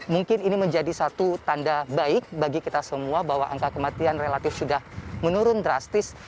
mungkin ini menjadi satu tanda baik bagi kita semua bahwa angka kematian relatif sudah menurun drastis